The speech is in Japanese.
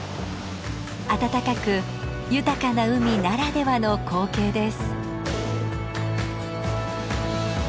あたたかく豊かな海ならではの光景です。